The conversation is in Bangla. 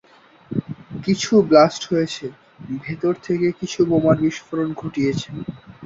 কিছু ব্লাস্ট হয়েছে, ভেতর থেকে কিছু বোমার বিস্ফোরণ ঘটিয়েছ।